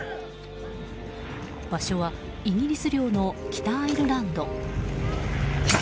場所はイギリス領の北アイルランド。